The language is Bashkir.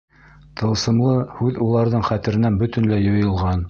Тылсымлы һүҙ уларҙың хәтеренән бөтөнләй юйылған.